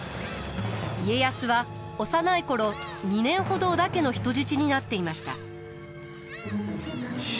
家康は幼い頃２年ほど織田家の人質になっていました。